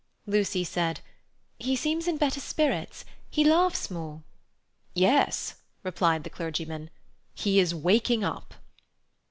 Lucy said, "He seems in better spirits. He laughs more." "Yes," replied the clergyman. "He is waking up."